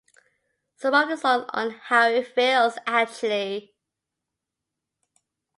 Some of the songs on "How It Feels" actually.